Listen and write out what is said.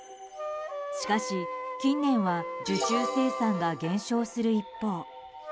しかし、近年は受注生産が減少する一方。